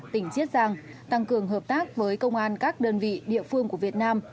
tỉnh chiết giang tăng cường hợp tác với công an các đơn vị địa phương của việt nam